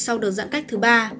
sau đợt giãn cách thứ ba